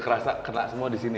kerasa kena semua di sini